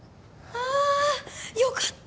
ああよかった